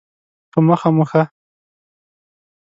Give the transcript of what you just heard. په مخه مو ښه